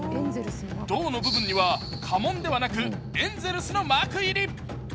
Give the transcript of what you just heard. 胴の部分には家紋ではなくエンゼルスのマーク入り。